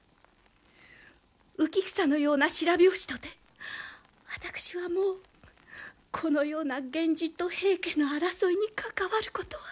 浮き草のような白拍子とて私はもうこのような源氏と平家の争いに関わることは。